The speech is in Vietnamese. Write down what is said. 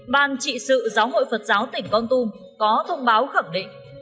ban trị sự giáo hội phật giáo tỉnh con tum có thông báo khẳng định